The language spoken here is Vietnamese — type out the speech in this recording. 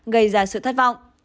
gây ra sự thất vọng